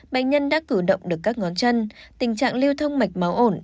bệnh nhân đã cử động được các ngón chân tình trạng lưu thông mạch máu ổn